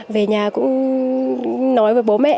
về nhà cũng nói với bố mẹ